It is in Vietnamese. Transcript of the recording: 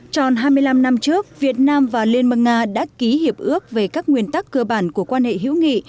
tròn hai mươi năm năm trước việt nam và liên bang nga đã ký hiệp ước về các nguyên tắc cơ bản của quan hệ hữu nghị